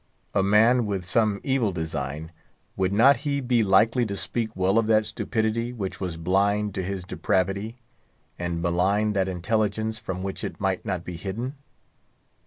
A man with some evil design, would he not be likely to speak well of that stupidity which was blind to his depravity, and malign that intelligence from which it might not be hidden?